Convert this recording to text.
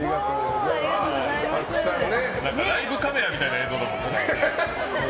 ライブカメラみたいな映像だもん。